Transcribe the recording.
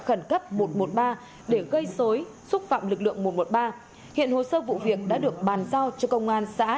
khẩn cấp một trăm một mươi ba để gây dối xúc phạm lực lượng một trăm một mươi ba hiện hồ sơ vụ việc đã được bàn giao cho công an xã